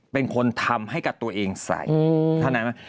เป็นคนทำให้กับตัวเองใส่เท่านั้นไหม